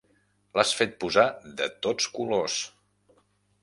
L'has fet posar de tots colors.